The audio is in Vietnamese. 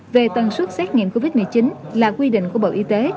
về tần suất xét nghiệm covid một mươi chín là quy định của bộ y tế